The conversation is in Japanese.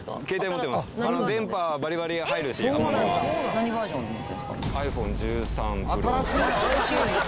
何バージョン持ってるんですか？